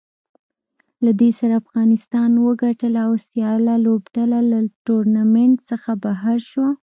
له دې سره افغانستان وګټله او سیاله لوبډله له ټورنمنټ څخه بهر شوه